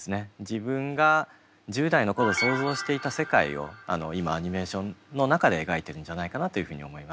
自分が１０代の頃想像していた世界を今アニメーションの中で描いてるんじゃないかなというふうに思います。